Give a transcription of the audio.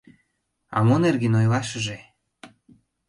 — А мо нерген ойлашыже!